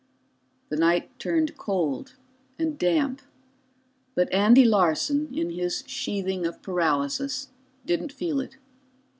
The night turned cold and damp, but Andy Larson, in his sheathing of paralysis, didn't feel it.